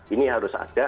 ini harus ada